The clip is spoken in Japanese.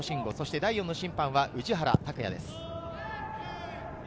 第４の審判は宇治原拓也です。